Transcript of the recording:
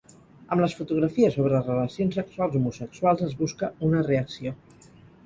Amb les fotografies sobre relacions sexuals homosexuals es busca una reacció.